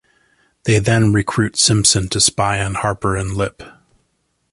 They then recruit Simpson to spy on Harper and Lipp.